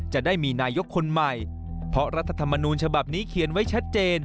จะได้มีนายกคนใหม่เพราะรัฐธรรมนูญฉบับนี้เขียนไว้ชัดเจน